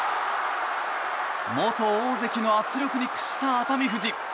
元大関の圧力に屈した熱海富士。